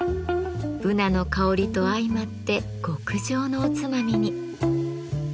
ブナの香りと相まって極上のおつまみに。